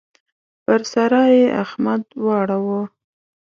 پر سارا يې احمد واړاوو.